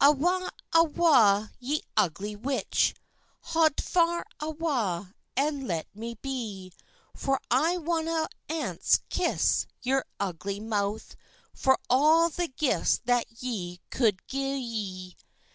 "Awa, awa, ye ugly witch, Haud far awa, and let me be; For I wadna ance kiss your ugly mouth, For all the gifts that ye cou'd gi'e."